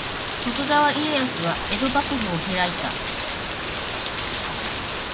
徳川家康は江戸幕府を開いた。